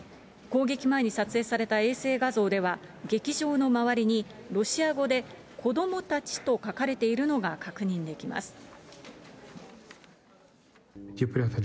攻撃前に撮影された衛星画像では、劇場の周りに、ロシア語で、子どもたちと書かれているのが確認できます。